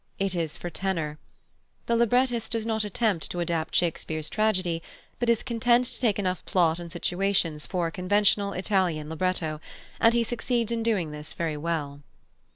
It is for tenor. The librettist does not attempt to adapt Shakespeare's tragedy, but is content to take enough plot and situations for a conventional Italian libretto, and he succeeds in doing this very well.